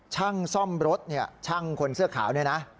ช่างซ่อมรถช่างคนเสื้อขาวนี่นะ